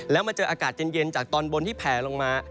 แล้วมาเจออากาศเย็นจากตอนบนที่แผลลงมา